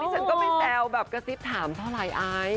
ฉันก็ไม่แซวแบบกระซิบถามเท่าไหร่ไอ